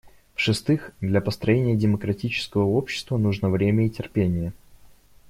В-шестых, для построения демократического общества нужно время и терпение.